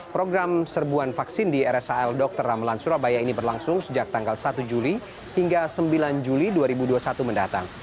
program serbuan vaksin di rsal dr ramelan surabaya ini berlangsung sejak tanggal satu juli hingga sembilan juli dua ribu dua puluh satu mendatang